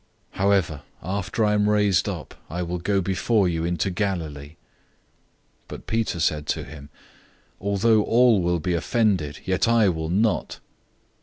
'{Zechariah 13:7} 014:028 However, after I am raised up, I will go before you into Galilee." 014:029 But Peter said to him, "Although all will be offended, yet I will not."